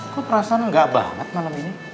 kok perasaan enggak banget malam ini